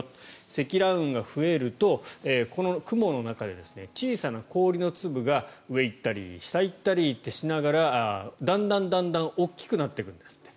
積乱雲が増えるとこの雲の中で小さな氷の粒が上に行ったり下に行ったりとしながらだんだんだんだん大きくなってくるんですって。